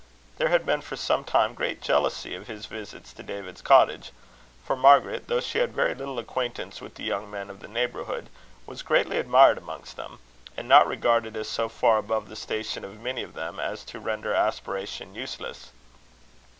There had been for some time great jealousy of his visits at David's cottage; for Margaret, though she had very little acquaintance with the young men of the neighbourhood, was greatly admired amongst them, and not regarded as so far above the station of many of them as to render aspiration useless.